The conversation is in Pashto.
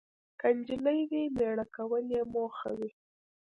که انجلۍ وي، میړه کول یې موخه وي.